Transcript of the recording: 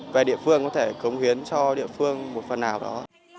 về địa phương có thể cống hiến cho địa phương một phần nào đó